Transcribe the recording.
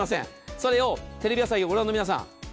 それをテレビ朝日をご覧の皆さん